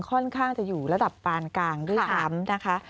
ค่อนข้างจะอยู่ระดับปานกลางด้วยซ้ำนะคะ